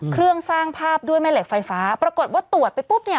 เครื่องสร้างภาพด้วยแม่เหล็กไฟฟ้าปรากฏว่าตรวจไปปุ๊บเนี่ย